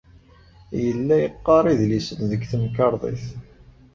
Yella yeqqar idlisen deg temkarḍit.